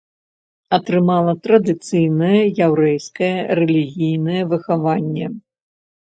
Атрымала традыцыйнае яўрэйскае рэлігійнае выхаванне.